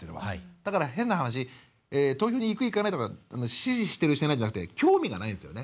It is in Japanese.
だから、変な話投票に行く行かないとかじゃなくて興味がないんですね。